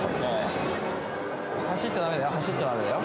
走っちゃダメだよ